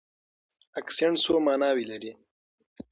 اکسنټ څو ماناوې لري؟